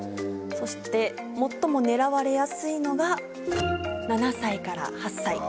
そして最も狙われやすいのが７歳から８歳。